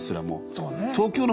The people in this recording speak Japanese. そうね。